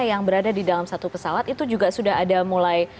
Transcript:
yang berada di dalam satu pesawat itu juga sudah ada mulai